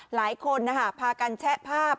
หลายคนพากันแชะภาพ